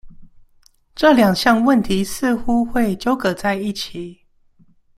這兩項問題似乎會糾葛在一起